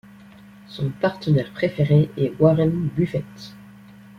Son partenaire préféré est Warren Buffett.